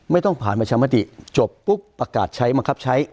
ไม่ต้องผ่านประชามติจบปุ๊บประกาศใช้บังคับใช้